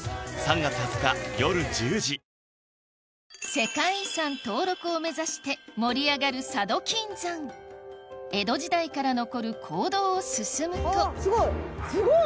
世界遺産登録を目指して盛り上がる江戸時代から残る坑道を進むとすごい！